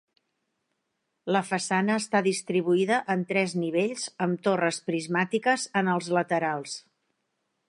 La façana està distribuïda en tres nivells amb torres prismàtiques en els laterals.